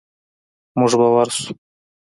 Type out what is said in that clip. موږ به ورسو.